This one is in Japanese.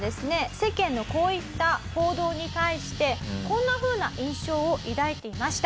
世間のこういった報道に対してこんなふうな印象を抱いていました。